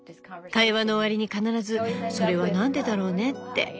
会話の終わりに必ず「それは何でだろうね？」って